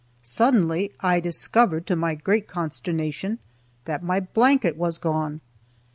Suddenly I discovered, to my great consternation, that my blanket was gone!